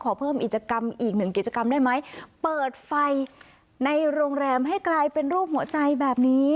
ขอเพิ่มกิจกรรมอีกหนึ่งกิจกรรมได้ไหมเปิดไฟในโรงแรมให้กลายเป็นรูปหัวใจแบบนี้